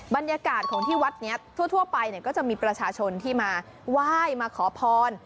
บรรยากาศของที่วัดนี้ทั่วไปก็จะมีประชาชนที่มาไหว้มาขอพร